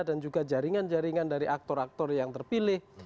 dan juga jaringan jaringan dari aktor aktor yang terpilih